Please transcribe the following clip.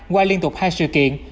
qua liên tục hai sự kiện